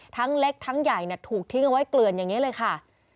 ทั้งเล็กทั้งใหญ่ถูกทิ้งเอาไว้เกลือนอย่างนี้เลยค่ะ